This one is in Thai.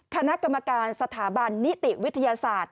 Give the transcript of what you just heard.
คณะกรรมการสถาบันนิติวิทยาศาสตร์